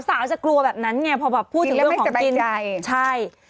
สาวจะกลัวแบบนั้นไงพอแบบพูดถึงเรื่องของกินใช่